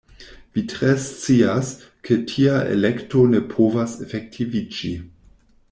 Vi tre scias, ke tia elekto ne povas efektiviĝi.